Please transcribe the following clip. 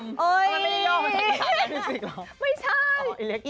ไม่ใช่